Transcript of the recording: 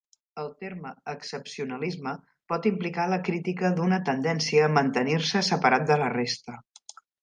El terme "excepcionalisme" pot implicar la crítica d'una tendència a mantenir-se separat de la resta.